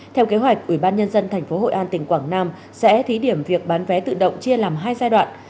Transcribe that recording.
theo kế hoạch ủy ban nhân dân tp hội an tỉnh quảng nam sẽ thí điểm việc bán vé tự động chia làm hai giai đoạn